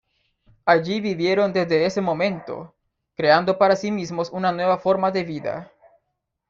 Allí vivieron desde ese momento, creando para sí mismos una nueva forma de vida.